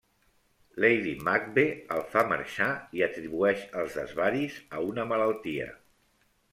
Lady Macbeth el fa marxar i atribueix els desvaris a una malaltia.